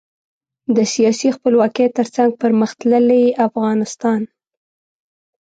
د سیاسي خپلواکۍ ترڅنګ پرمختللي افغانستان.